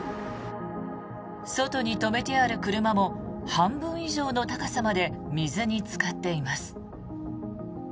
外に止めてある車も半分以上の高さまで水につかっています。